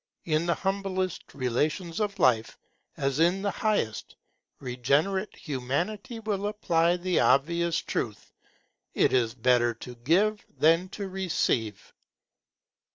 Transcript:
In the humblest relations of life, as in the highest, regenerate Humanity will apply the obvious truth, It is better to give than to receive.